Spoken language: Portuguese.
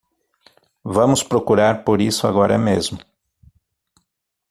Vamos procurar por isso agora mesmo.